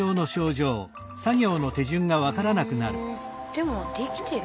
でもできてる。